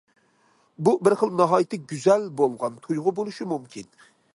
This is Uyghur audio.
بۇ بىر خىل ناھايىتى گۈزەل بولغان تۇيغۇ بولۇشى مۇمكىن.